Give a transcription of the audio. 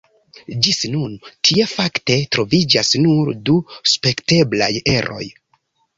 Ĝis nun tie fakte troviĝas nur du spekteblaj eroj.